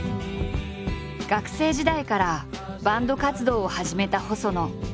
学生時代からバンド活動を始めた細野。